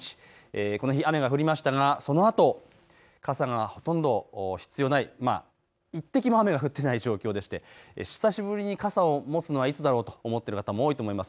この日雨が降りましたがそのあと傘がほとんど必要ない、１滴も雨が降ってない状況でして、久しぶりに傘を持つのはいつだろうと思っている方も多いと思います。